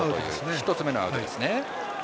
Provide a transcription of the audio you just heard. １つ目のアウトですね。